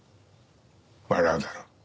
笑うだろ。